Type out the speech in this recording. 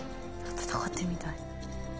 闘ってるみたい。